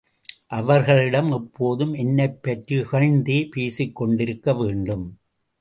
அவர்களிடம் எப்போதும் என்னைப் பற்றி இகழ்ந்தே பேசிக்கொண்டிருக்க வேண்டும்.